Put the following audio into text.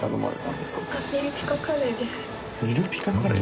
ニルピカカレー？